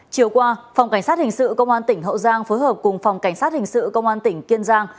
chiều qua phòng cảnh sát hình sự công an tỉnh hậu giang phối hợp cùng phòng cảnh sát hình sự công an tỉnh kiên giang